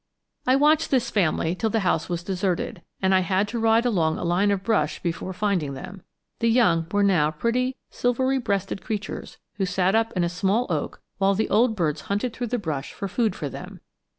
I watched this family till the house was deserted, and I had to ride along a line of brush before finding them. The young were now pretty silvery breasted creatures who sat up in a small oak while the old birds hunted through the brush for food for them.